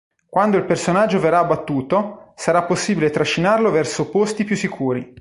Quando il personaggio verrà abbattuto, sarà possibile trascinarlo verso posti più sicuri.